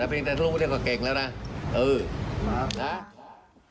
แต่เพียงแต่ทุกเรื่องเขาก็เก่งแล้วนะเออ